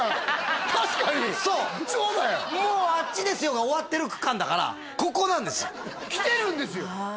確かにそうだよそうもうあっちですよが終わってる区間だからここなんです来てるんですよああ